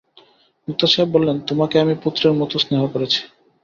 মোক্তার সাহেব বললেন, তোমাকে আমি পুত্রের মতো স্নেহ করেছি।